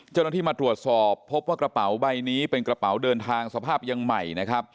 เจ้าหน้าที่มาตรวจสอบพบว่ากระเป๋าใบนี้เป็นกระเป๋าเดินทางสภาพยังใหม่นะครับ